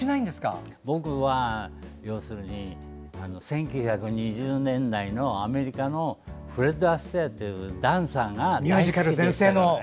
僕は、要するに１９２０年代のアメリカのフレッド・アステアというダンサーが。